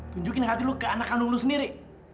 tunjukin dong hati lu ke anak anak lu sendiri